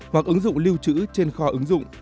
hoặc ứng dụng lưu trữ trên kho ứng dụng